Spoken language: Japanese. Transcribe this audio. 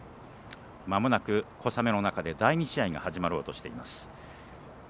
まもなく小雨の中で第２試合が始まろうとしています。